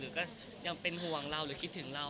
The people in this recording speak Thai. ก็ยังเป็นห่วงเราหรือคิดถึงเรา